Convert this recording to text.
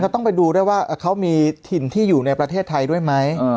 ต้องไปดูด้วยว่าเขามีถิ่นที่อยู่ในประเทศไทยด้วยไหม